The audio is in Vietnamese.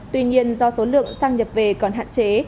tuy nhiên do số lượng sang nhập về còn hạn chế